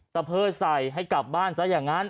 เพิดใส่ให้กลับบ้านซะอย่างนั้น